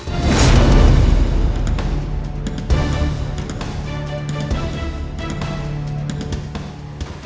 jangan lupa untuk berikan kursi untuk istri saya